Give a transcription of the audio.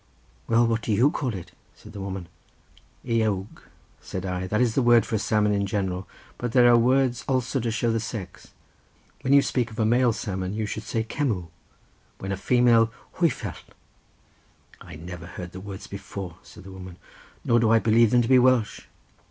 "Well, what do you call it?" said the woman. "Eawg," said I, "that is the word for a salmon in general—but there are words also to show the sex—when you speak of a male salmon you should say cemyw, when of a female hwyfell." "I never heard the words before," said the woman, "nor do I believe them to be Welsh."